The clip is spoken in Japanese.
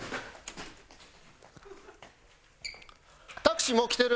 タクシーもう来てる？